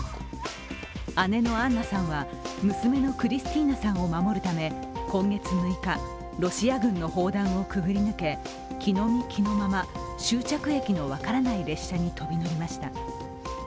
姉のアンナさんは娘のクリスティーナさんを守るため今月６日、ロシア軍の砲弾をくぐり抜け着のみ着のまま、終着駅の分からない列車に飛び乗りました。